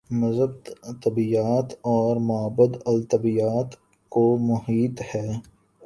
مذہب طبیعیات اور مابعدالطبیعیات کو محیط ہے۔